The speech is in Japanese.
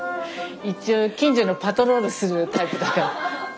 一応近所のパトロールするタイプだから。